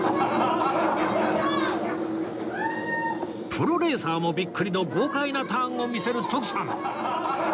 プロレーサーもビックリの豪快なターンを見せる徳さん